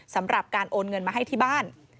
สำหรับการโอนเงินมาให้ที่บ้าน